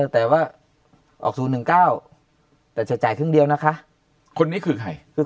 แต่ว่าออก๐๑๙แต่จะจ่ายครึ่งเดียวนะคะคนนี้คือใคร